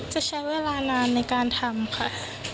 จะใช้เวลานานในการทำค่ะ